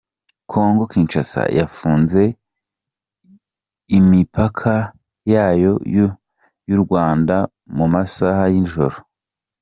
kongo Kinshasa yafunze imipaka yayo n’u Rwanda mu masaha y’ijoro